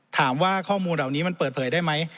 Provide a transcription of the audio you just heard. ถามว่าข้อมูลเหล่านี้มันเปิดเผยได้ไหม